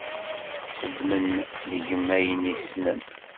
Xedmen deg-m ayen i ssnen.